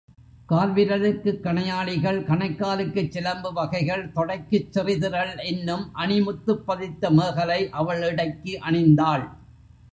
கால்விரலுக்குக் கணையாழிகள் கணைக்காலுக்குச் சிலம்பு வகைகள் தொடைக்குச் செறிதிரள் என்னும் அணி முத்துப்பதித்த மேகலை அவள் இடைக்கு அணிந்தாள்.